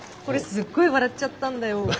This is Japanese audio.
これすっごい笑っちゃったんだよ。